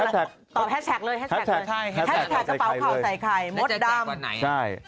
แฮชแท็กกระเป๋าข่าวใส่ไข่มาดำ